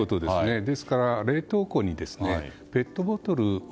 ですから冷凍庫にペットボトルを。